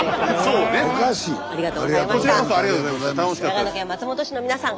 長野県松本市の皆さん